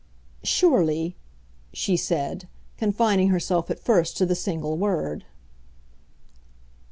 "Surely," she said, confining herself at first to the single word.